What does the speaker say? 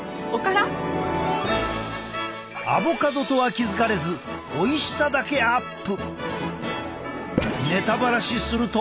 アボカドとは気付かれずおいしさだけアップ！